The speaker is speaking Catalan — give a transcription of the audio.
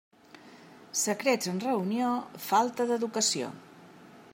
Secrets en reunió, falta d'educació.